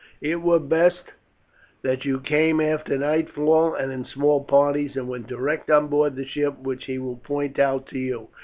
It were best that you came after nightfall, and in small parties, and went direct on board the ship which he will point out to you.